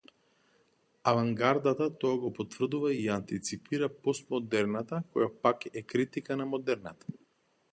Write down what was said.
Авангардата тоа го потврдува и ја антиципира постмодерната која, пак, е критика на модерната.